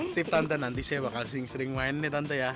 shift tante nanti saya bakal sering main nih tante ya